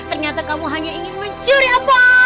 ternyata kamu hanya ingin mencuri apa